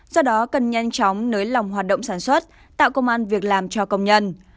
do đó cần nhanh chóng nới lỏng hoạt động sản xuất tạo công an việc làm cho công nhân